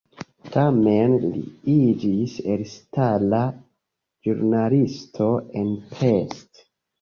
Tamen li iĝis elstara ĵurnalisto en Pest.